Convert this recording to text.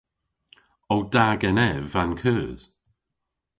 O da genev an keus?